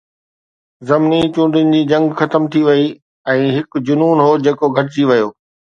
ضمني چونڊن جي جنگ ختم ٿي وئي ۽ هڪ جنون هو جيڪو گهٽجي ويو